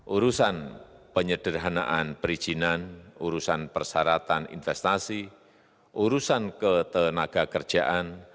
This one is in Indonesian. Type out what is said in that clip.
urusan penyederhanaan perizinan urusan persyaratan investasi urusan ketenaga kerjaan